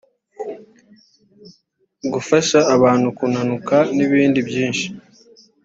gufasha abantu kunanuka n’ibindi byinshi